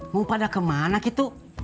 mau pada kemana gitu